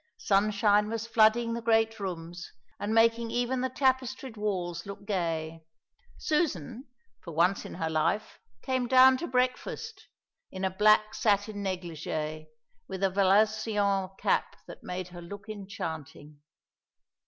Sunshine was flooding the great rooms, and making even the tapestried walls look gay. Susan, for once in her life, came down to breakfast, in a black satin négligé, with a valenciennes cap that made her look enchanting.